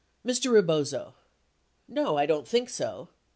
Mr. Rebozo. No, I don't think so.